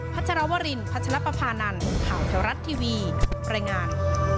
ชรวรินพัชรปภานันข่าวแถวรัฐทีวีรายงาน